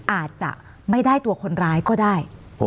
อาจจะไม่ได้ตัวคนร้ายก็ได้